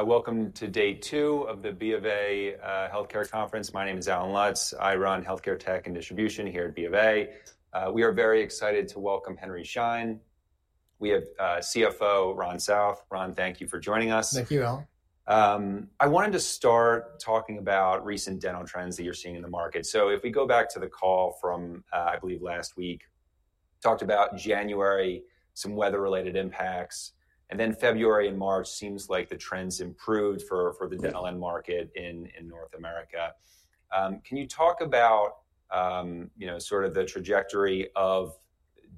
Welcome to day two of the B of A Healthcare Conference. My name is Allen Lutz. I run healthcare tech and distribution here at B of A. We are very excited to welcome Henry Schein. We have CFO Ron South. Ron, Thank you for joining us. Thank you, Allen. I wanted to start talking about recent dental trends that you're seeing in the market. If we go back to the call from, I believe, last week, talked about January, some weather-related impacts, and then February and March seem like the trends improved for the dental end market in North America. Can you talk about sort of the trajectory of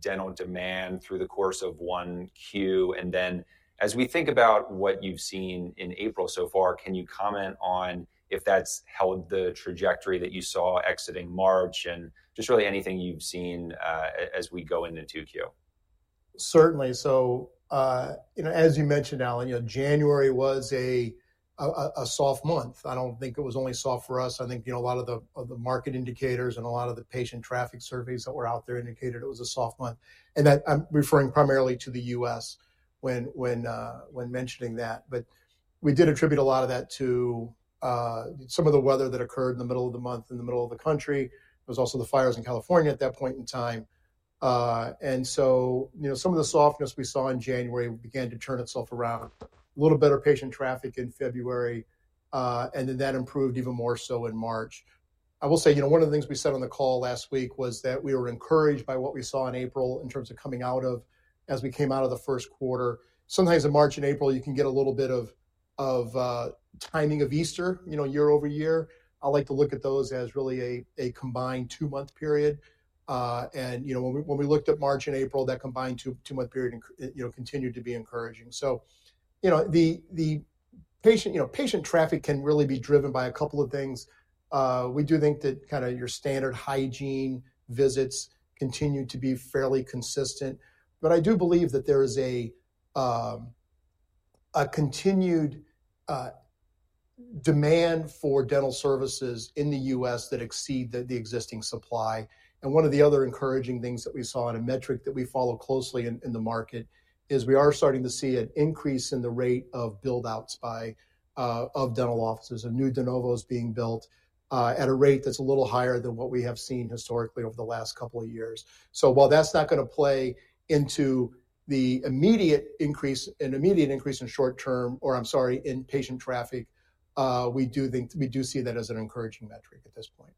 dental demand through the course of Q1? As we think about what you've seen in April so far, can you comment on if that's held the trajectory that you saw exiting March and just really anything you've seen as we go into Q2? Certainly. As you mentioned, Allen, January was a soft month. I do not think it was only soft for us. I think a lot of the market indicators and a lot of the patient traffic surveys that were out there indicated it was a soft month. I am referring primarily to the U.S. when mentioning that. We did attribute a lot of that to some of the weather that occurred in the middle of the month in the middle of the country. It was also the fires in California at that point in time. Some of the softness we saw in January began to turn itself around. A little better patient traffic in February. That improved even more so in March. I will say one of the things we said on the call last week was that we were encouraged by what we saw in April in terms of coming out of as we came out of the first quarter. Sometimes in March and April, you can get a little bit of timing of Easter year over year. I like to look at those as really a combined two-month period. When we looked at March and April, that combined two-month period continued to be encouraging. The patient traffic can really be driven by a couple of things. We do think that kind of your standard hygiene visits continue to be fairly consistent. I do believe that there is a continued demand for dental services in the US that exceed the existing supply. One of the other encouraging things that we saw in a metric that we follow closely in the market is we are starting to see an increase in the rate of build-outs of dental offices. A new de novo is being built at a rate that's a little higher than what we have seen historically over the last couple of years. While that's not going to play into the immediate increase in short-term, or I'm sorry, in patient traffic, we do see that as an encouraging metric at this point.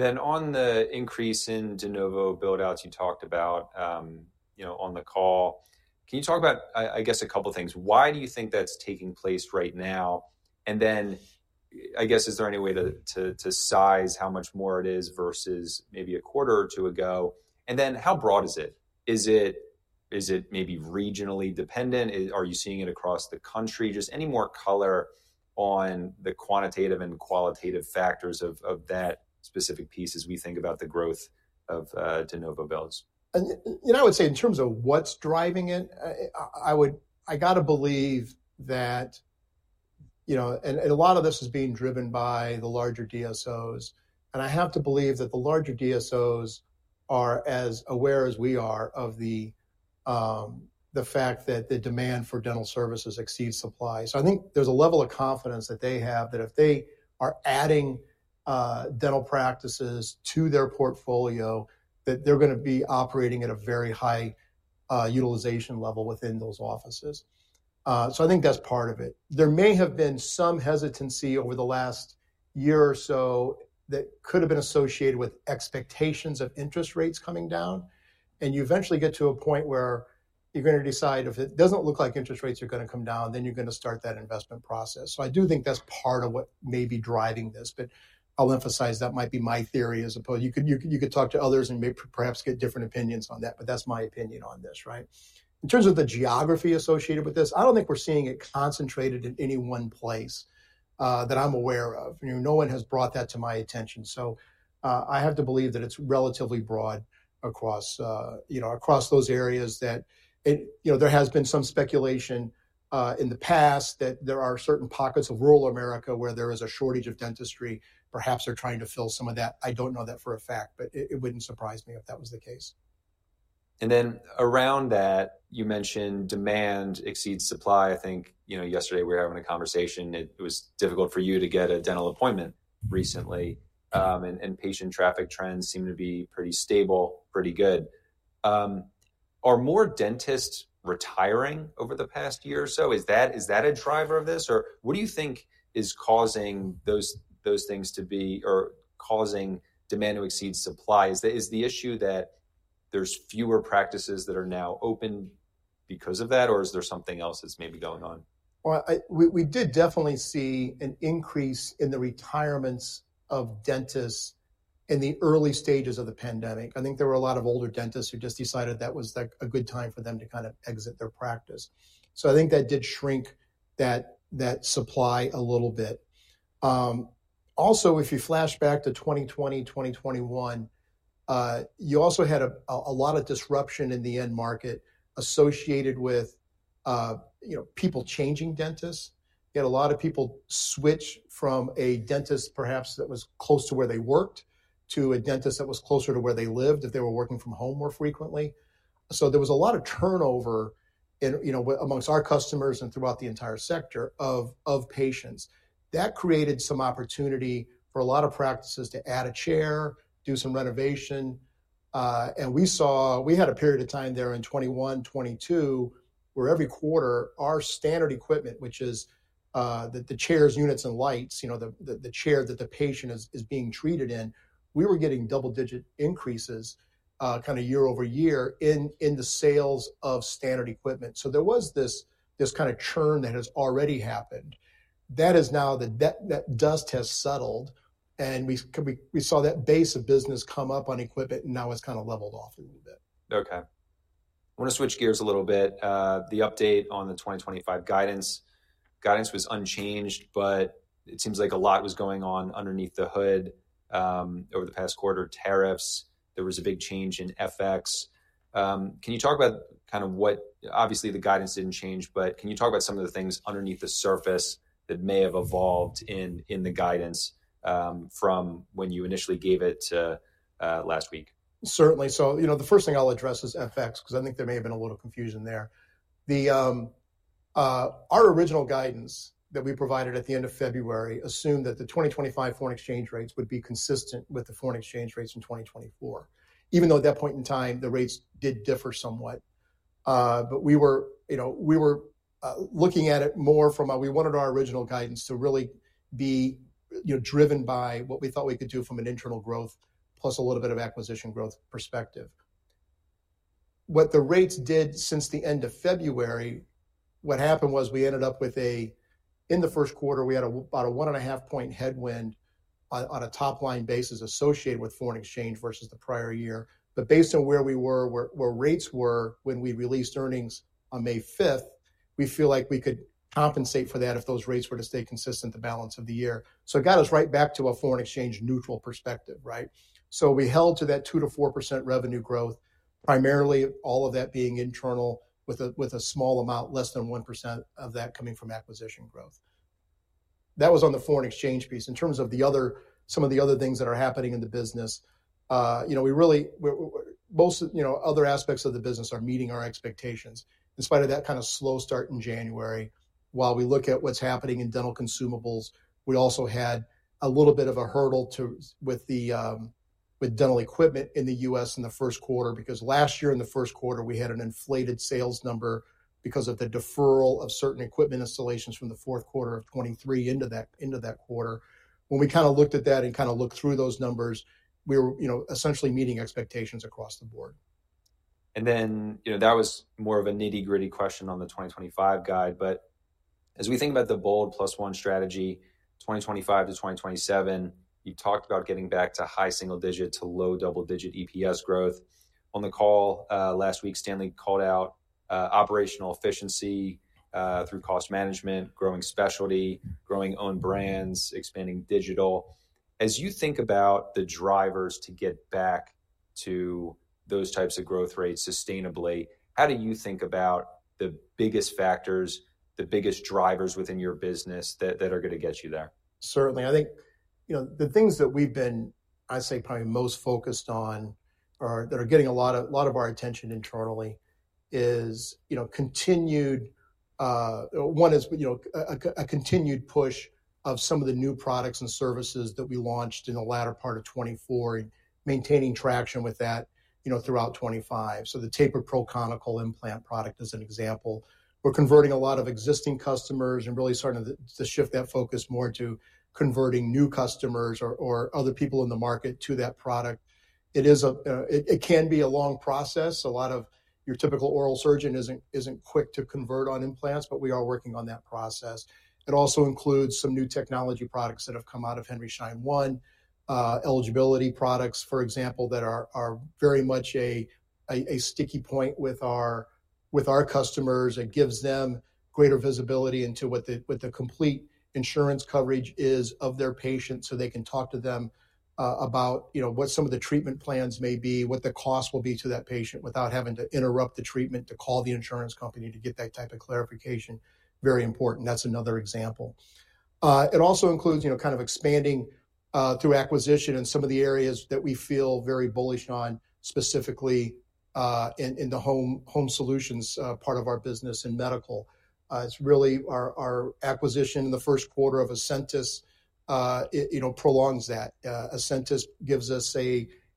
On the increase in de novo build-outs you talked about on the call, can you talk about, I guess, a couple of things? Why do you think that's taking place right now? Is there any way to size how much more it is versus maybe a quarter or two ago? How broad is it? Is it maybe regionally dependent? Are you seeing it across the country? Just any more color on the quantitative and qualitative factors of that specific piece as we think about the growth of de novo builds? I would say in terms of what's driving it, I got to believe that a lot of this is being driven by the larger DSOs. I have to believe that the larger DSOs are as aware as we are of the fact that the demand for dental services exceeds supply. I think there's a level of confidence that they have that if they are adding dental practices to their portfolio, they're going to be operating at a very high utilization level within those offices. I think that's part of it. There may have been some hesitancy over the last year or so that could have been associated with expectations of interest rates coming down. You eventually get to a point where you're going to decide if it doesn't look like interest rates are going to come down, then you're going to start that investment process. I do think that's part of what may be driving this. I'll emphasize that might be my theory as opposed to you could talk to others and maybe perhaps get different opinions on that. That's my opinion on this, right? In terms of the geography associated with this, I don't think we're seeing it concentrated in any one place that I'm aware of. No one has brought that to my attention. I have to believe that it's relatively broad across those areas. There has been some speculation in the past that there are certain pockets of rural America where there is a shortage of dentistry. Perhaps they're trying to fill some of that. I don't know that for a fact, but it wouldn't surprise me if that was the case. You mentioned demand exceeds supply. I think yesterday we were having a conversation. It was difficult for you to get a dental appointment recently. Patient traffic trends seem to be pretty stable, pretty good. Are more dentists retiring over the past year or so? Is that a driver of this? What do you think is causing those things to be or causing demand to exceed supply? Is the issue that there are fewer practices that are now open because of that, or is there something else that's maybe going on? We did definitely see an increase in the retirements of dentists in the early stages of the pandemic. I think there were a lot of older dentists who just decided that was a good time for them to kind of exit their practice. I think that did shrink that supply a little bit. Also, if you flash back to 2020, 2021, you also had a lot of disruption in the end market associated with people changing dentists. You had a lot of people switch from a dentist perhaps that was close to where they worked to a dentist that was closer to where they lived if they were working from home more frequently. There was a lot of turnover amongst our customers and throughout the entire sector of patients. That created some opportunity for a lot of practices to add a chair, do some renovation. We had a period of time there in 2021, 2022 where every quarter our standard equipment, which is the chairs, units, and lights, the chair that the patient is being treated in, we were getting double-digit increases year over year in the sales of standard equipment. There was this kind of churn that has already happened. That is now that dust has settled. We saw that base of business come up on equipment, and now it has kind of leveled off a little bit. Okay. I want to switch gears a little bit. The update on the 2025 guidance. Guidance was unchanged, but it seems like a lot was going on underneath the hood over the past quarter: tariffs. There was a big change in FX. Can you talk about kind of what obviously the guidance didn't change, but can you talk about some of the things underneath the surface that may have evolved in the guidance from when you initially gave it last week? Certainly. The first thing I'll address is FX because I think there may have been a little confusion there. Our original guidance that we provided at the end of February assumed that the 2025 foreign exchange rates would be consistent with the foreign exchange rates in 2024, even though at that point in time, the rates did differ somewhat. We were looking at it more from we wanted our original guidance to really be driven by what we thought we could do from an internal growth plus a little bit of acquisition growth perspective. What the rates did since the end of February, what happened was we ended up with in the first quarter, we had about a 1.5 point headwind on a top line basis associated with foreign exchange versus the prior year. Based on where we were, where rates were when we released earnings on May 5, we feel like we could compensate for that if those rates were to stay consistent the balance of the year. It got us right back to a foreign exchange neutral perspective, right? We held to that 2-4% revenue growth, primarily all of that being internal with a small amount, less than 1% of that coming from acquisition growth. That was on the foreign exchange piece. In terms of some of the other things that are happening in the business, most other aspects of the business are meeting our expectations. In spite of that kind of slow start in January, while we look at what's happening in dental consumables, we also had a little bit of a hurdle with dental equipment in the US in the first quarter because last year in the first quarter, we had an inflated sales number because of the deferral of certain equipment installations from the fourth quarter of 2023 into that quarter. When we kind of looked at that and kind of looked through those numbers, we were essentially meeting expectations across the board. That was more of a nitty-gritty question on the 2025 guide. As we think about the bold plus one strategy, 2025 to 2027, you talked about getting back to high single-digit to low double-digit EPS growth. On the call last week, Stanley called out operational efficiency through cost management, growing specialty, growing own brands, expanding digital. As you think about the drivers to get back to those types of growth rates sustainably, how do you think about the biggest factors, the biggest drivers within your business that are going to get you there? Certainly. I think the things that we've been, I'd say, probably most focused on that are getting a lot of our attention internally is continued, one is a continued push of some of the new products and services that we launched in the latter part of 2024 and maintaining traction with that throughout 2025. The tapered proconical implant product as an example. We're converting a lot of existing customers and really starting to shift that focus more to converting new customers or other people in the market to that product. It can be a long process. A lot of your typical oral surgeon isn't quick to convert on implants, but we are working on that process. It also includes some new technology products that have come out of Henry Schein One, eligibility products, for example, that are very much a sticky point with our customers. It gives them greater visibility into what the complete insurance coverage is of their patients so they can talk to them about what some of the treatment plans may be, what the cost will be to that patient without having to interrupt the treatment to call the insurance company to get that type of clarification. Very important. That's another example. It also includes kind of expanding through acquisition in some of the areas that we feel very bullish on, specifically in the home solutions part of our business in medical. It's really our acquisition in the first quarter of Ascentus prolongs that. Ascentus gives us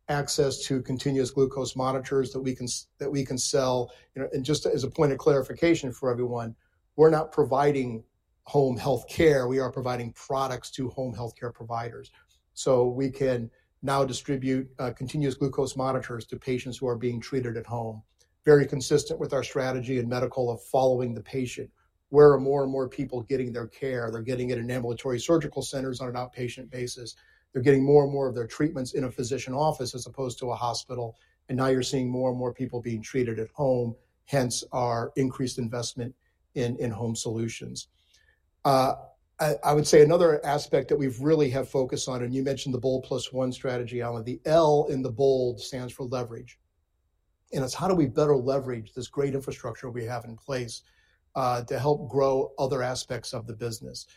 access to continuous glucose monitors that we can sell. And just as a point of clarification for everyone, we're not providing home healthcare. We are providing products to home healthcare providers. We can now distribute continuous glucose monitors to patients who are being treated at home. Very consistent with our strategy in medical of following the patient. Where are more and more people getting their care? They're getting it in ambulatory surgical centers on an outpatient basis. They're getting more and more of their treatments in a physician office as opposed to a hospital. Now you're seeing more and more people being treated at home, hence our increased investment in home solutions. I would say another aspect that we really have focused on, and you mentioned the bold plus one strategy, Alan, the L in the bold stands for leverage. It's how do we better leverage this great infrastructure we have in place to help grow other aspects of the business?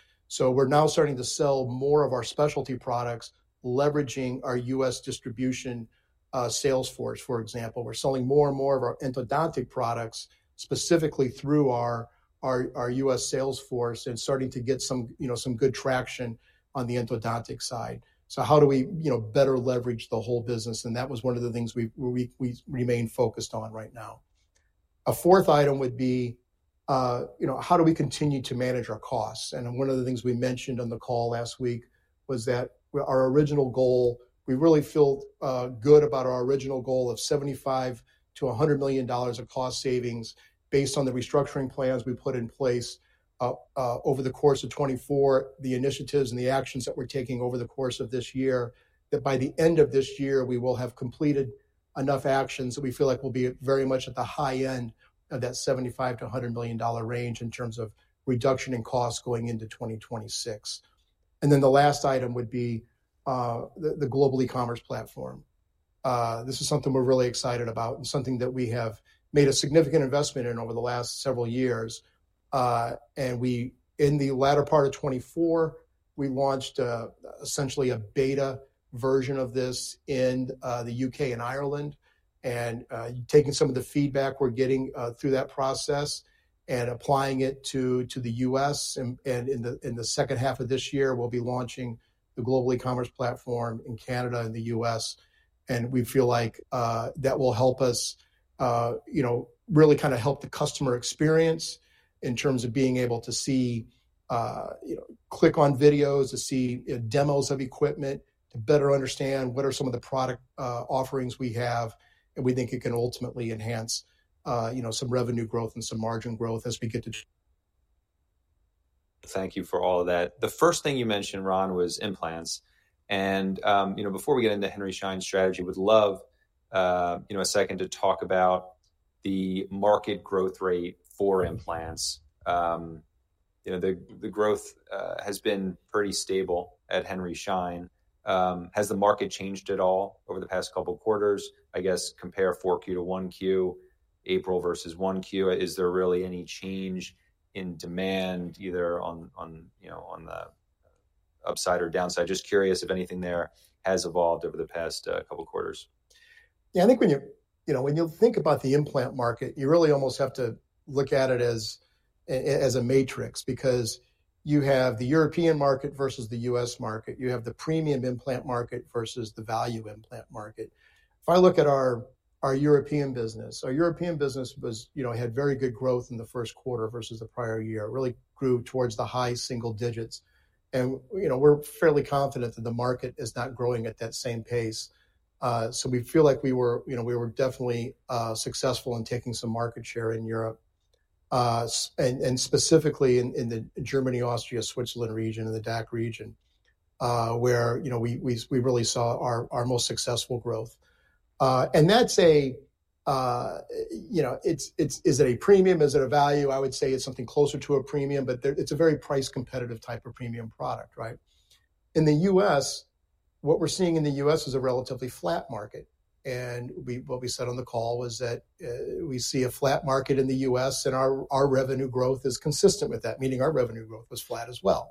We're now starting to sell more of our specialty products, leveraging our US distribution salesforce, for example. We're selling more and more of our endodontic products specifically through our US salesforce and starting to get some good traction on the endodontic side. How do we better leverage the whole business? That was one of the things we remain focused on right now. A fourth item would be how do we continue to manage our costs? One of the things we mentioned on the call last week was that our original goal, we really feel good about our original goal of $75-$100 million of cost savings based on the restructuring plans we put in place over the course of 2024, the initiatives and the actions that we're taking over the course of this year, that by the end of this year, we will have completed enough actions that we feel like we'll be very much at the high end of that $75-$100 million range in terms of reduction in costs going into 2026. The last item would be the global e-commerce platform. This is something we're really excited about and something that we have made a significant investment in over the last several years. In the latter part of 2024, we launched essentially a beta version of this in the U.K. and Ireland and taking some of the feedback we're getting through that process and applying it to the U.S. In the second half of this year, we'll be launching the global e-commerce platform in Canada and the U.S. We feel like that will help us really kind of help the customer experience in terms of being able to see click-on videos, to see demos of equipment, to better understand what are some of the product offerings we have. We think it can ultimately enhance some revenue growth and some margin growth as we get to. Thank you for all of that. The first thing you mentioned, Ron, was implants. Before we get into Henry Schein's strategy, we'd love a second to talk about the market growth rate for implants. The growth has been pretty stable at Henry Schein. Has the market changed at all over the past couple of quarters? I guess compare 4Q to 1Q, April versus 1Q. Is there really any change in demand either on the upside or downside? Just curious if anything there has evolved over the past couple of quarters. Yeah, I think when you think about the implant market, you really almost have to look at it as a matrix because you have the European market versus the US market. You have the premium implant market versus the value implant market. If I look at our European business, our European business had very good growth in the first quarter versus the prior year. It really grew towards the high single digits. We're fairly confident that the market is not growing at that same pace. We feel like we were definitely successful in taking some market share in Europe, and specifically in the Germany, Austria, Switzerland region, and the DACH region, where we really saw our most successful growth. And that's a, is it a premium? Is it a value? I would say it's something closer to a premium, but it's a very price competitive type of premium product, right? In the U.S., what we're seeing in the U.S. is a relatively flat market. What we said on the call was that we see a flat market in the U.S., and our revenue growth is consistent with that, meaning our revenue growth was flat as well.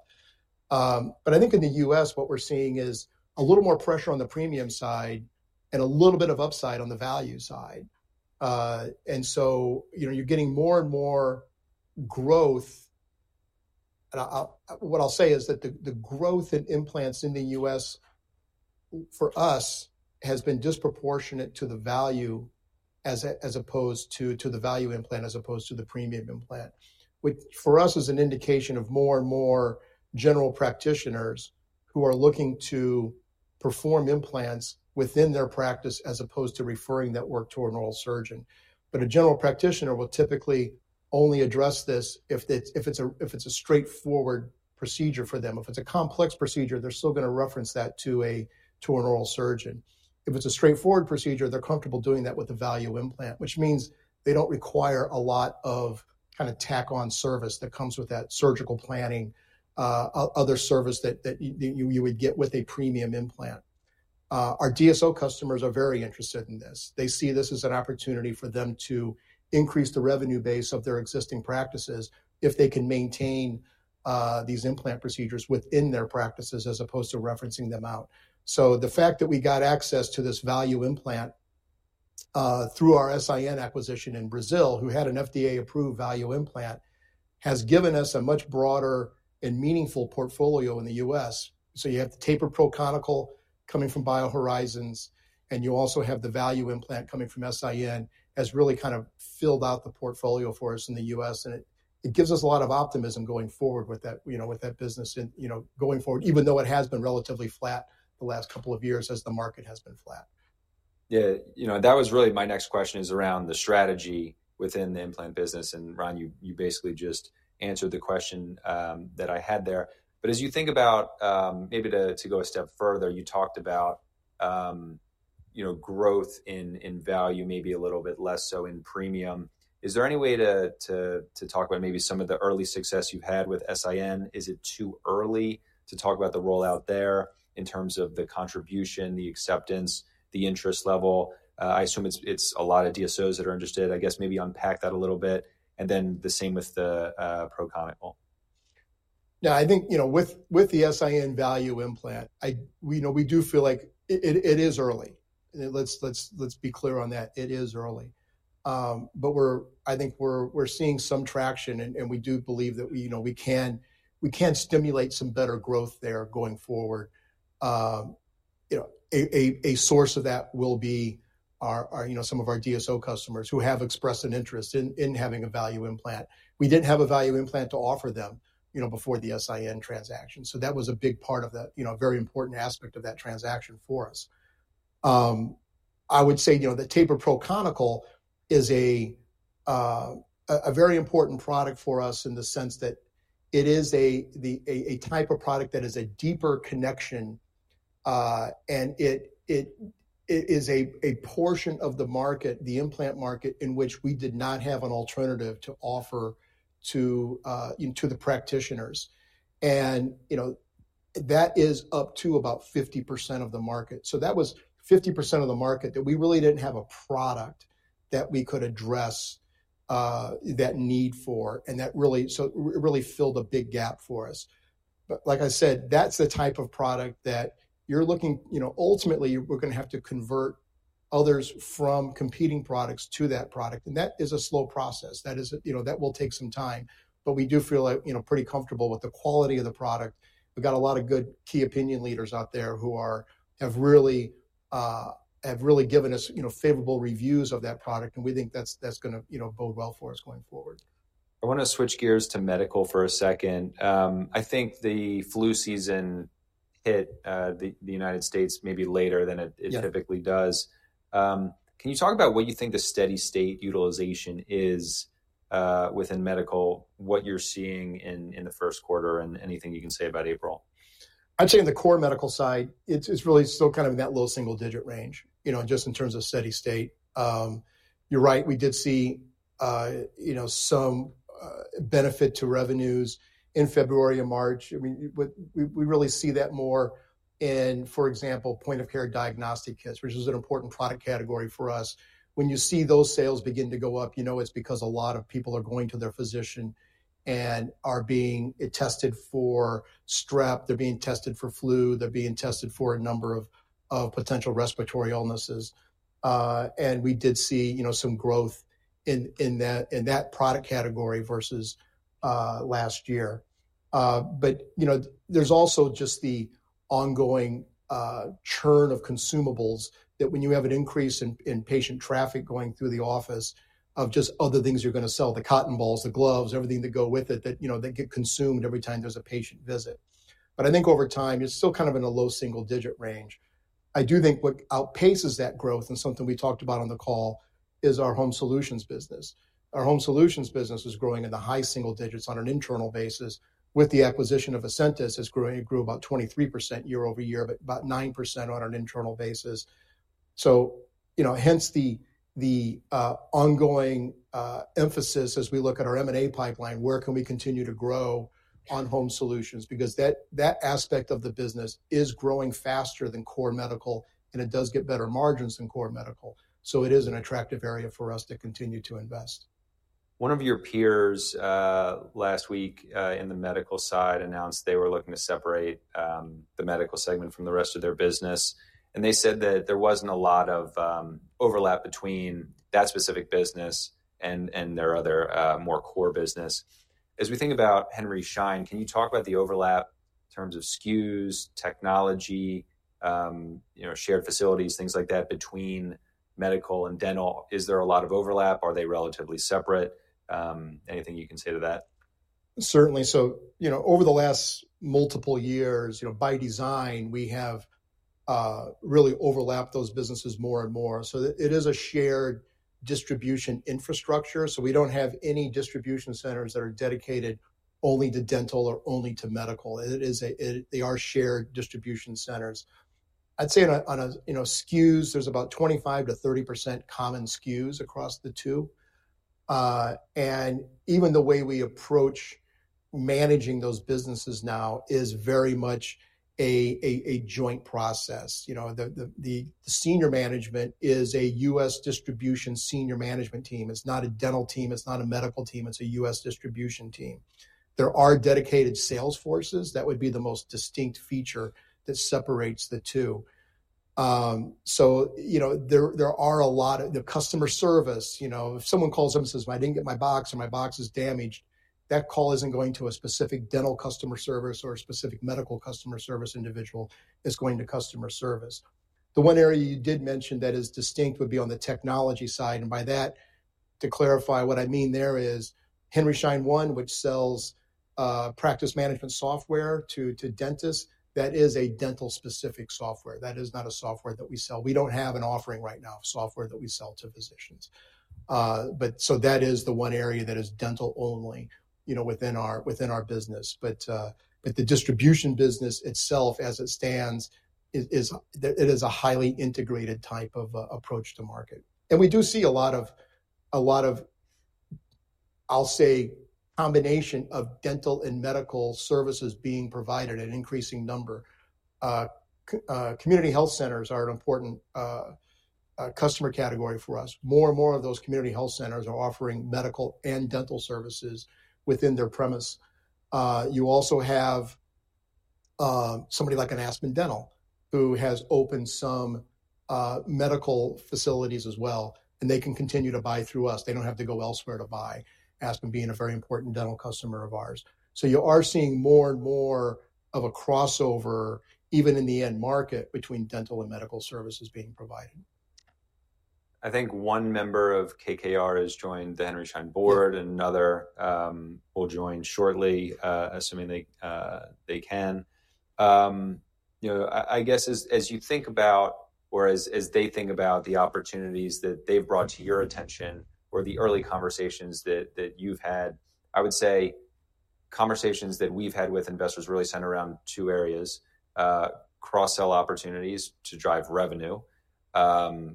I think in the U.S., what we're seeing is a little more pressure on the premium side and a little bit of upside on the value side. You are getting more and more growth. What I'll say is that the growth in implants in the US for us has been disproportionate to the value as opposed to the value implant as opposed to the premium implant, which for us is an indication of more and more general practitioners who are looking to perform implants within their practice as opposed to referring that work to an oral surgeon. A general practitioner will typically only address this if it's a straightforward procedure for them. If it's a complex procedure, they're still going to reference that to an oral surgeon. If it's a straightforward procedure, they're comfortable doing that with the value implant, which means they don't require a lot of kind of tack-on service that comes with that surgical planning, other service that you would get with a premium implant. Our DSO customers are very interested in this. They see this as an opportunity for them to increase the revenue base of their existing practices if they can maintain these implant procedures within their practices as opposed to referencing them out. The fact that we got access to this value implant through our SIN acquisition in Brazil, who had an FDA-approved value implant, has given us a much broader and meaningful portfolio in the US. You have the tapered proconical coming from BioHorizons, and you also have the value implant coming from SIN, which has really kind of filled out the portfolio for us in the US. It gives us a lot of optimism going forward with that business going forward, even though it has been relatively flat the last couple of years as the market has been flat. Yeah. That was really my next question is around the strategy within the implant business. Ron, you basically just answered the question that I had there. As you think about maybe to go a step further, you talked about growth in value, maybe a little bit less so in premium. Is there any way to talk about maybe some of the early success you've had with SIN? Is it too early to talk about the rollout there in terms of the contribution, the acceptance, the interest level? I assume it's a lot of DSOs that are interested. I guess maybe unpack that a little bit. The same with the proconical. Yeah, I think with the SIN value implant, we do feel like it is early. Let's be clear on that. It is early. I think we're seeing some traction, and we do believe that we can stimulate some better growth there going forward. A source of that will be some of our DSO customers who have expressed an interest in having a value implant. We did not have a value implant to offer them before the SIN transaction. That was a big part of that, a very important aspect of that transaction for us. I would say the tapered proconical is a very important product for us in the sense that it is a type of product that is a deeper connection, and it is a portion of the market, the implant market, in which we did not have an alternative to offer to the practitioners. That is up to about 50% of the market. That was 50% of the market that we really did not have a product that we could address that need for. That really filled a big gap for us. Like I said, that is the type of product that you are looking ultimately, we are going to have to convert others from competing products to that product. That is a slow process. That will take some time. We do feel pretty comfortable with the quality of the product. We have got a lot of good key opinion leaders out there who have really given us favorable reviews of that product. We think that is going to bode well for us going forward. I want to switch gears to medical for a second. I think the flu season hit the U.S. maybe later than it typically does. Can you talk about what you think the steady state utilization is within medical, what you're seeing in the first quarter and anything you can say about April? I'd say on the core medical side, it's really still kind of in that low single-digit range just in terms of steady state. You're right. We did see some benefit to revenues in February and March. I mean, we really see that more in, for example, point of care diagnostic kits, which is an important product category for us. When you see those sales begin to go up, you know it's because a lot of people are going to their physician and are being tested for strep. They're being tested for flu. They're being tested for a number of potential respiratory illnesses. We did see some growth in that product category versus last year. There is also just the ongoing churn of consumables that when you have an increase in patient traffic going through the office of just other things you're going to sell, the cotton balls, the gloves, everything that go with it that get consumed every time there's a patient visit. I think over time, it's still kind of in a low single-digit range. I do think what outpaces that growth and something we talked about on the call is our home solutions business. Our home solutions business is growing in the high single digits on an internal basis with the acquisition of Ascentus has grown about 23% year over year, but about 9% on an internal basis. Hence the ongoing emphasis as we look at our M&A pipeline, where can we continue to grow on home solutions? Because that aspect of the business is growing faster than core medical, and it does get better margins than core medical. It is an attractive area for us to continue to invest. One of your peers last week in the medical side announced they were looking to separate the medical segment from the rest of their business. They said that there was not a lot of overlap between that specific business and their other more core business. As we think about Henry Schein, can you talk about the overlap in terms of SKUs, technology, shared facilities, things like that between medical and dental? Is there a lot of overlap? Are they relatively separate? Anything you can say to that? Certainly. Over the last multiple years, by design, we have really overlapped those businesses more and more. It is a shared distribution infrastructure. We do not have any distribution centers that are dedicated only to dental or only to medical. They are shared distribution centers. I'd say on SKUs, there's about 25%-30% common SKUs across the two. Even the way we approach managing those businesses now is very much a joint process. The senior management is a US distribution senior management team. It's not a dental team. It's not a medical team. It's a US distribution team. There are dedicated sales forces. That would be the most distinct feature that separates the two. There are a lot of customer service. If someone calls them and says, "My box is damaged," that call is not going to a specific dental customer service or a specific medical customer service individual. It is going to customer service. The one area you did mention that is distinct would be on the technology side. By that, to clarify what I mean there is Henry Schein One, which sells practice management software to dentists, that is a dental-specific software. That is not a software that we sell. We do not have an offering right now of software that we sell to physicians. That is the one area that is dental only within our business. The distribution business itself, as it stands, is a highly integrated type of approach to market. We do see a lot of, I will say, combination of dental and medical services being provided at increasing number. Community Health Centers are an important customer category for us. More and more of those community health centers are offering medical and dental services within their premise. You also have somebody like an Aspen Dental who has opened some medical facilities as well. They can continue to buy through us. They do not have to go elsewhere to buy, Aspen being a very important dental customer of ours. You are seeing more and more of a crossover, even in the end market, between dental and medical services being provided. I think one member of KKR has joined the Henry Schein Board, and another will join shortly, assuming they can. I guess as you think about, or as they think about the opportunities that they've brought to your attention or the early conversations that you've had, I would say conversations that we've had with investors really center around two areas: cross-sell opportunities to drive revenue,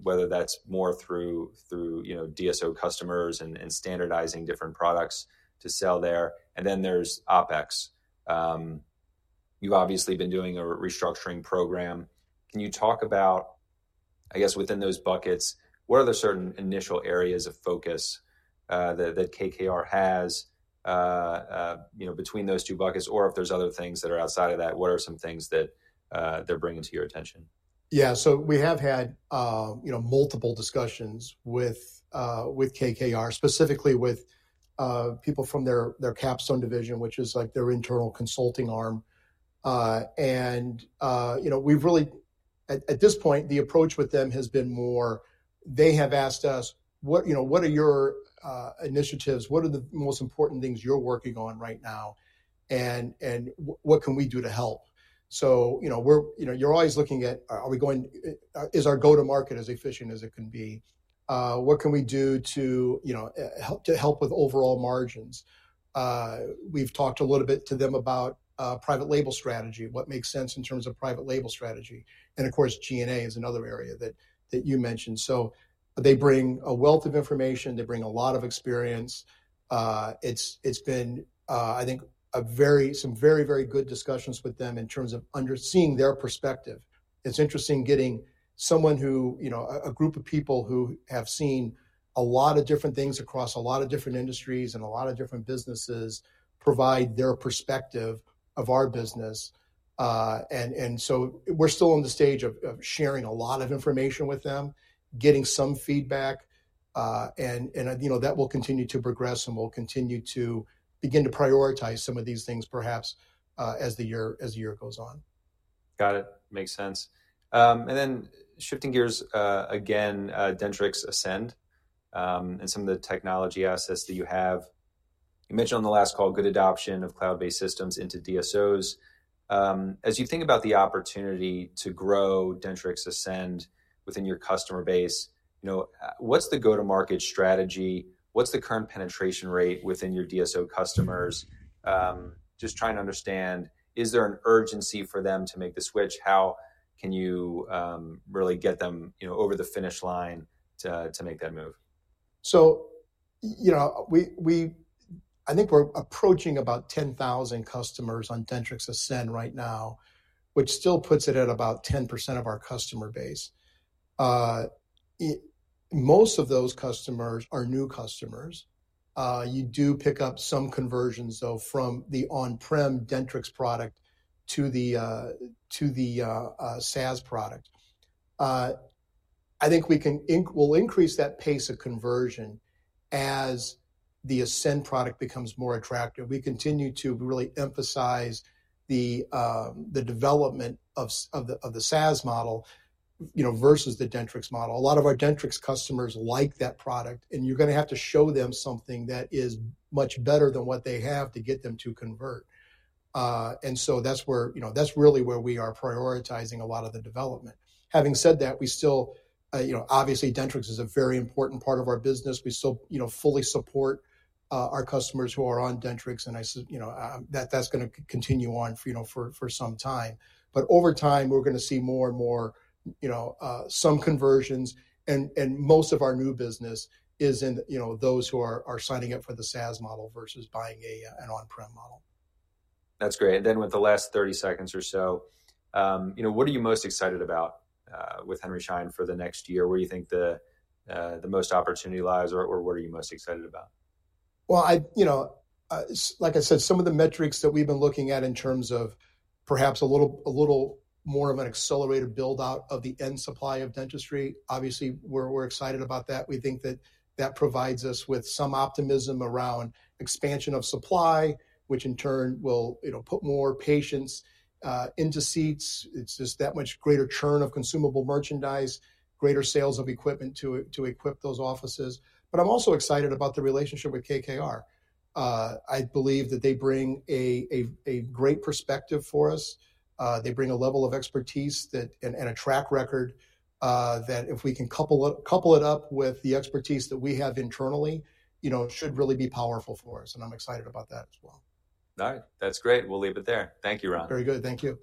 whether that's more through DSO customers and standardizing different products to sell there. Then there's OPEX. You've obviously been doing a restructuring program. Can you talk about, I guess, within those buckets, what are the certain initial areas of focus that KKR has between those two buckets? If there's other things that are outside of that, what are some things that they're bringing to your attention? Yeah. We have had multiple discussions with KKR, specifically with people from their Capstone division, which is like their internal consulting arm. At this point, the approach with them has been more they have asked us, "What are your initiatives? What are the most important things you're working on right now? What can we do to help?" You're always looking at, "Is our go-to-market as efficient as it can be? What can we do to help with overall margins?" We've talked a little bit to them about private label strategy, what makes sense in terms of private label strategy. Of course, G&A is another area that you mentioned. They bring a wealth of information. They bring a lot of experience. It's been, I think, some very, very good discussions with them in terms of seeing their perspective. It's interesting getting someone who, a group of people who have seen a lot of different things across a lot of different industries and a lot of different businesses, provide their perspective of our business. We're still on the stage of sharing a lot of information with them, getting some feedback. That will continue to progress, and we'll continue to begin to prioritize some of these things perhaps as the year goes on. Got it. Makes sense. Then shifting gears again, Dentrix Ascend and some of the technology assets that you have. You mentioned on the last call good adoption of cloud-based systems into DSOs. As you think about the opportunity to grow Dentrix Ascend within your customer base, what's the go-to-market strategy? What's the current penetration rate within your DSO customers? Just trying to understand, is there an urgency for them to make the switch? How can you really get them over the finish line to make that move? I think we're approaching about 10,000 customers on Dentrix Ascend right now, which still puts it at about 10% of our customer base. Most of those customers are new customers. You do pick up some conversions, though, from the on-prem Dentrix product to the SaaS product. I think we'll increase that pace of conversion as the Ascend product becomes more attractive. We continue to really emphasize the development of the SaaS model versus the Dentrix model. A lot of our Dentrix customers like that product, and you're going to have to show them something that is much better than what they have to get them to convert. That is really where we are prioritizing a lot of the development. Having said that, obviously, Dentrix is a very important part of our business. We still fully support our customers who are on Dentrix, and that's going to continue on for some time. Over time, we're going to see more and more some conversions. Most of our new business is in those who are signing up for the SaaS model versus buying an on-prem model. That's great. With the last 30 seconds or so, what are you most excited about with Henry Schein for the next year? Where do you think the most opportunity lies, or what are you most excited about? Like I said, some of the metrics that we've been looking at in terms of perhaps a little more of an accelerated build-out of the end supply of dentistry, obviously, we're excited about that. We think that that provides us with some optimism around expansion of supply, which in turn will put more patients into seats. It's just that much greater churn of consumable merchandise, greater sales of equipment to equip those offices. I'm also excited about the relationship with KKR. I believe that they bring a great perspective for us. They bring a level of expertise and a track record that if we can couple it up with the expertise that we have internally, it should really be powerful for us. I'm excited about that as well. All right. That's great. We'll leave it there. Thank you, Ron. Very good. Thank you.